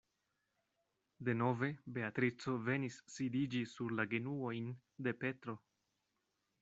Denove Beatrico venis sidiĝi sur la genuojn de Petro.